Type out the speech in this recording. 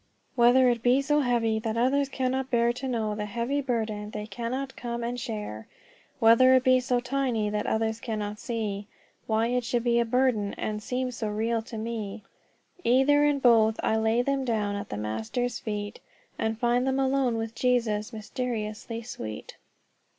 "Whether it be so heavy that others cannot bear To know the heavy burden they cannot come and share; Whether it be so tiny that others cannot see Why it should be a burden, and seem so real to me, Either and both I lay them down at the Master's feet And find them alone with Jesus mysteriously sweet."